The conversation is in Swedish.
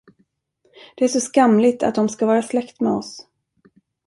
Det är så skamligt, att de skall vara släkt med oss.